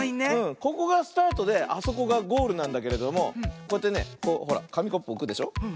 ここがスタートであそこがゴールなんだけれどもこうやってねこうほらかみコップおくでしょ。